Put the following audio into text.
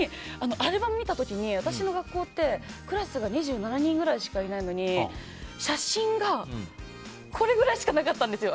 アルバムを見た時に私の学校って、クラスが２７人くらいしかいないのに写真がこれぐらいしかなかったんですよ。